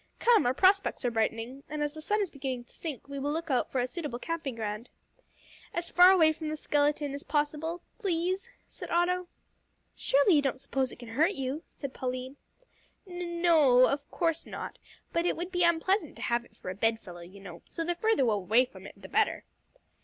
Come, our prospects are brightening, and as the sun is beginning to sink, we will look out for a suitable camping ground." "As far away from the skeleton, please, as possible," said Otto. "Surely you don't suppose it can hurt you?" said Pauline. "N no, of course not, but it would be unpleasant to have it for a bedfellow, you know; so, the further away from it the better."